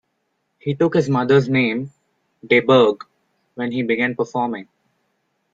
He took his mother's name, "de Burgh", when he began performing.